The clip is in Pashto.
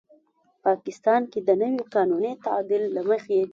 پاکستان کې د نوي قانوني تعدیل له مخې